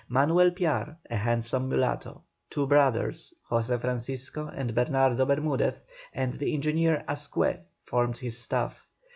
Manuel Piar, a handsome mulatto, two brothers, José Francisco and Bernardo Bermudez, and the engineer Ascue, formed his staff.